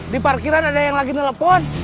di parkiran ada yang lagi nelpon